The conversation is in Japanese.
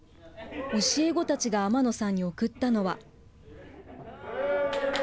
教え子たちが天野さんに贈ったのは。